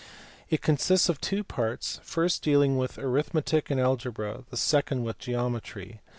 It consists of two parts, the first dealing with arithmetic and algebra, the second with geometry.